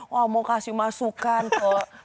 gak perlu kasih masukan kok